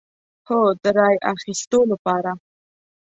هو، د رای اخیستو لپاره